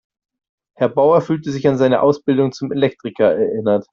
Herr Bauer fühlte sich an seine Ausbildung zum Elektriker erinnert.